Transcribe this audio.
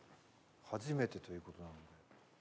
初めてということなので。